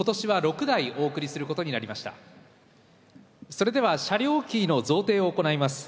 それでは車両キーの贈呈を行います。